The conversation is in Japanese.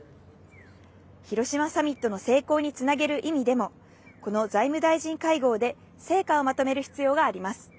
広島サミットの成功につなげる意味でも、この財務大臣会合で成果をまとめる必要があります。